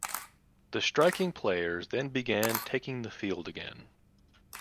The striking players then began taking the field again.